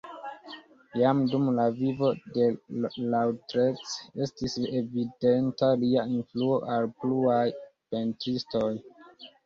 Jam dum la vivo de Lautrec estis evidenta lia influo al pluaj pentristoj.